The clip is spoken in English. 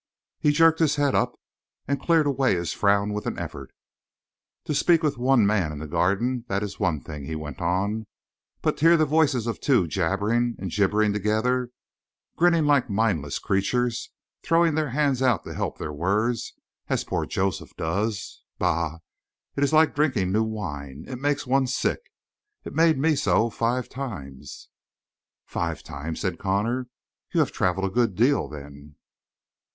He jerked his head up and cleared away his frown with an effort. "To speak with one man in the Garden that is one thing," he went on, "but to hear the voices of two jabbering and gibbering together grinning like mindless creatures throwing their hands out to help their words, as poor Joseph does bah, it is like drinking new wine; it makes one sick. It made me so five times." "Five times?" said Connor. "You have traveled a good deal, then?"